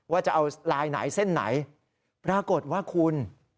ว่าจะเอาลายไหนเส้นไหนปรากฏว่าคุณ